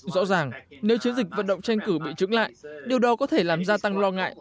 rõ ràng nếu chiến dịch vận động tranh cử bị trứng lại điều đó có thể làm gia tăng lo ngại